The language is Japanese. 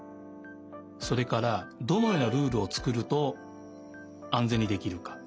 それからどのようなルールをつくるとあんぜんにできるか。